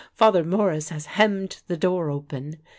Father Morris has hemmed the door open!"